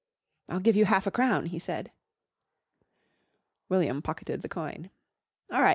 "I'll give you half a crown," he said. William pocketed the coin. "All right!"